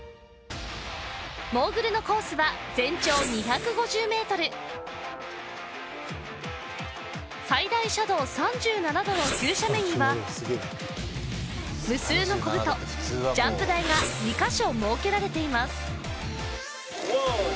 モーグルのコースは最大斜度３７度の急斜面には無数のコブとジャンプ台が２カ所設けられています